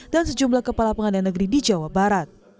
dan sejumlah kepala pengadilan negeri di jawa barat